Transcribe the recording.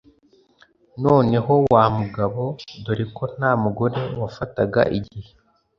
noneho wa mugabo (dore ko nta mugore wafataga igihe)